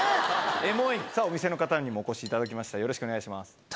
お店の方にもお越しいただきました、よろしくお願いします。